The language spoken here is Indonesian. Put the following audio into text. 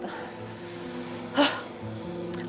mama takut jadi berkerut